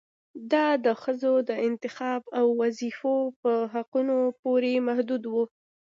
دا د ښځو د انتخاب او وظيفو په حقونو پورې محدود و